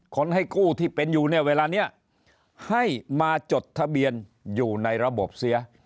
ให้กู้ที่เป็นอยู่เนี่ยเวลานี้ให้มาจดทะเบียนอยู่ในระบบเสีย